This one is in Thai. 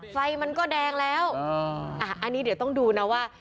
ไฟมันก็แดงแล้วอันนี้เดี๋ยวต้องดูนะว่า